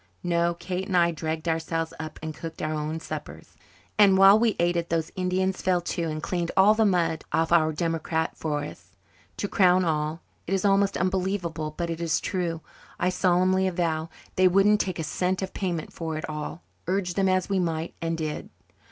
No, Kate and I dragged ourselves up and cooked our own suppers. And while we ate it, those Indians fell to and cleaned all the mud off our democrat for us. To crown all it is almost unbelievable but it is true, I solemnly avow they wouldn't take a cent of payment for it all, urge them as we might and did.